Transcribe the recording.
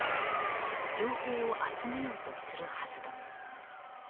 情報を集めようとするはずだ。